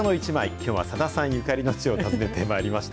きょうはさださんゆかりの地を訪ねてまいりました。